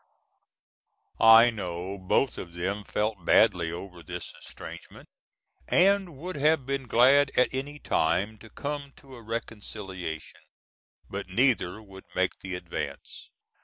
I know both of them felt badly over this estrangement, and would have been glad at any time to come to a reconciliation; but neither would make the advance.